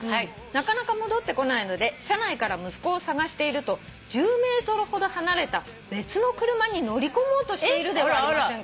「なかなか戻ってこないので車内から息子を捜していると１０ｍほど離れた別の車に乗り込もうとしているではありませんか」